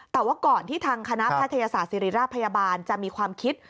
แต่ว่าก่อนที่ทางคณะแพทยศาสตร์ศิริราชพยาบาลจะมีความคิด